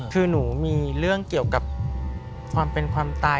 คือหนูมีเรื่องเกี่ยวกับความเป็นความตาย